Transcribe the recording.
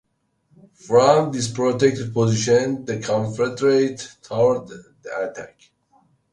From this protected position, the Confederates thwarted the attack.